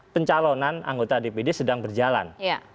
pencalonan anggota dpd sedang berjalan